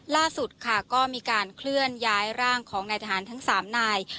ล่าสุดค่ะก็มีการเคลื่อนย้ายร่างของนายทหารทั้ง๓นาย